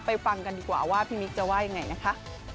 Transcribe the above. ฟังกันดีกว่าว่าพี่มิ๊กจะว่ายังไงนะคะ